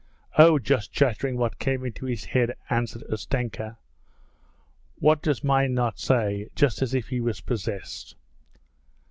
'Oh, just chattering what came into his head,' answered Ustenka. 'What does mine not say! Just as if he was possessed!'